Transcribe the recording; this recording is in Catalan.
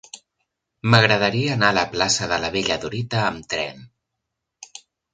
M'agradaria anar a la plaça de la Bella Dorita amb tren.